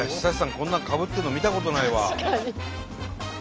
こんなのかぶってるの見たことないわ。